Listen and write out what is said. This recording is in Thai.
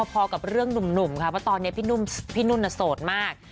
พอกับเรื่องหนุ่มค่ะเพราะตอนนี้พี่นุ่นโสดมาก